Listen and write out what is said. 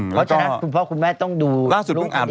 เพราะฉะนั้นคุณพ่อคุณแม่ต้องดูล่าสุดน้องอำ